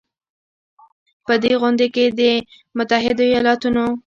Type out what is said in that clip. په دې غونډې کې د متحدو ایالتونو